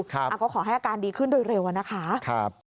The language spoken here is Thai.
ก็ขอให้อาการดีขึ้นโดยเร็วอะนะคะ